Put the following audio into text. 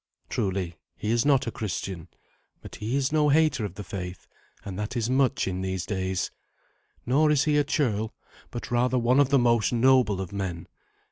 Truly he is not a Christian, but he is no hater of the faith, and that is much in these days. Nor is he a churl, but rather one of the most noble of men.